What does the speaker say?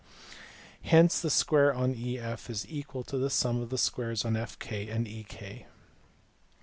Hence the square on EF is equal to the sum of the squares on FK and EK.